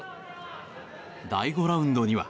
第５ラウンドには。